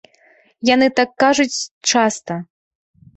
Яны так кажуць часта.